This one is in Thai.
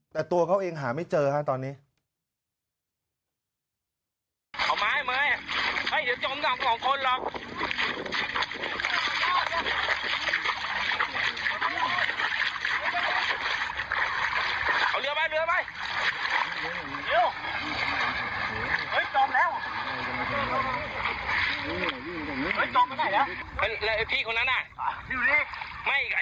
แต่ตัวเขาเองหาไม่เจอฮะตอนนี้